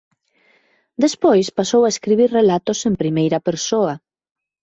Despois pasou a escribir relatos en primeira persoa.